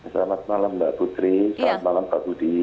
selamat malam mbak putri selamat malam pak budi